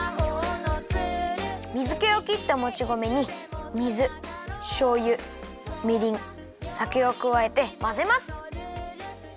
水けをきったもち米に水しょうゆみりんさけをくわえてまぜます。